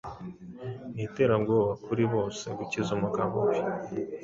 Niterabwoba kuri bose gukiza umugabo we